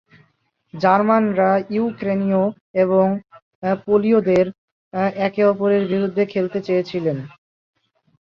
জার্মানরা ইউক্রেনীয় এবং পোলীয়দের একে অপরের বিরুদ্ধে খেলতে চেয়েছিল।